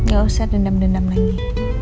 gak usah dendam dendam lagi